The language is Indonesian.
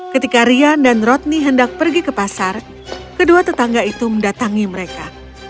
ketika rian dan rodni hendak pergi ke pasar kedua tetangga itu mendatangi mereka